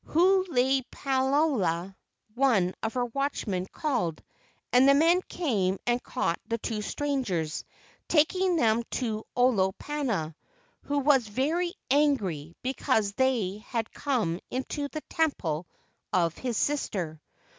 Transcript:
Hoo lei palaoa, one of her watchmen, called, and men came and caught the two strangers, taking them to Olo¬ pana, who was very angry because they had come into the temple of his sister.